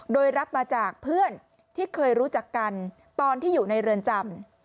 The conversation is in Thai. โดยรับมาจากเพื่อนที่เคยรู้จักกันตอนที่อยู่ในเรือนจำ